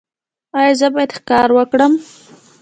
ایا زه باید ښکار وکړم؟